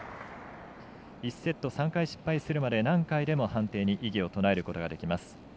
１セット３回失敗するまで何回でも判定に異議を唱えることができます。